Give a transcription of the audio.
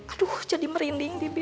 aduh jadi merinding bibi